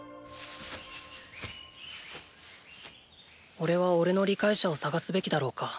おれはおれの理解者を探すべきだろうか。